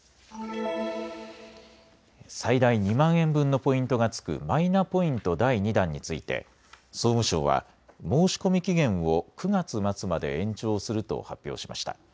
最大２万円分のポイントがつくマイナポイント第２弾について総務省は申し込み期限を９月末まで延長すると発表しました。